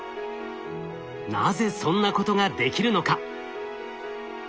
なぜそんなことができるのか。